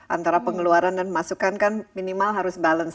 antara pengeluaran dan masukan kan minimal harus balance